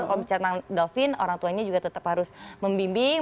kalau bicara tentang dovin orang tuanya juga tetap harus membimbing